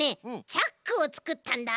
チャックをつくったんだ。